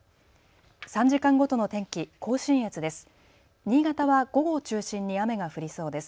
３時間ごとの天気、甲信越です。